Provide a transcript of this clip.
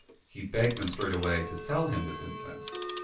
He begged them straightway to sell him this incense.